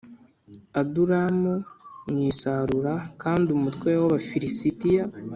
Adulamu mu isarura kandi umutwe w Abafilisitiya